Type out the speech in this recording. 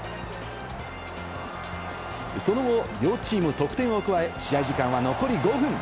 その後、両チーム得点を加え、試合時間は残り５分。